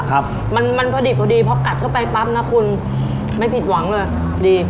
ครับมันมันพอดีพอดีพอกัดเข้าไปปั๊บนะคุณไม่ผิดหวังเลยดี